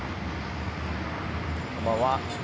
こんばんは。